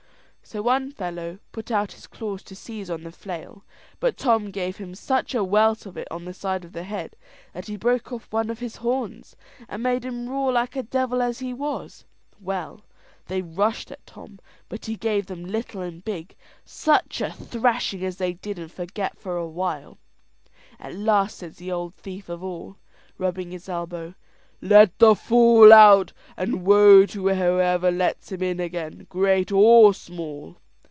So one fellow put out his claws to seize on the flail, but Tom gave him such a welt of it on the side of the head that he broke off one of his horns, and made him roar like a devil as he was. Well, they rushed at Tom, but he gave them, little and big, such a thrashing as they didn't forget for a while. At last says the ould thief of all, rubbing his elbow, "Let the fool out; and woe to whoever lets him in again, great or small."